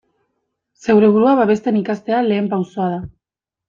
Zeure burua babesten ikastea lehen pausoa da.